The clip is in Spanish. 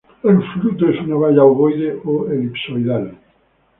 El fruto es una baya ovoide o elipsoidal.